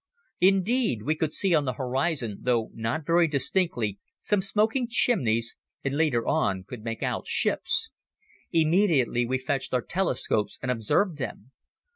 Indeed we could see on the horizon, though not very distinctly, some smoking chimneys and later on could make out ships. Immediately we fetched our telescopes and observed them.